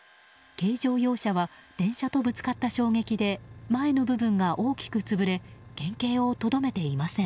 軽乗用車は電車とぶつかった衝撃で前の部分が大きく潰れ原形をとどめていません。